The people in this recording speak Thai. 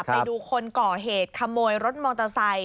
ไปดูคนก่อเหตุขโมยรถมอเตอร์ไซค